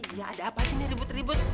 iya ada apa sih nih ribut ribut